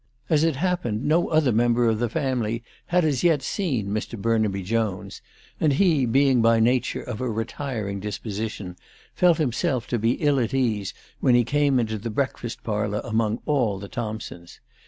As it happened, no other member of the family had as yet seen Mr. Burnaby Jones, and he, being by nature of a retiring disposition, felt himself to be ill at ease when he came into the breakfast parlour among all the Thompsons.